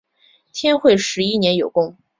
天会十一年有功。